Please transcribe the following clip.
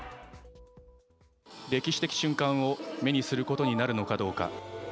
歴史的瞬間を目にすることになるのかどうか。